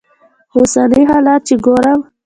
خو اوسني حالات چې ګورم.